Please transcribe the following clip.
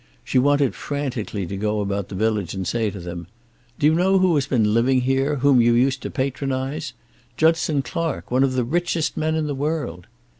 She wanted frantically to go about the village and say to them: "Do you know who has been living here, whom you used to patronize? Judson Clark, one of the richest men in the world!"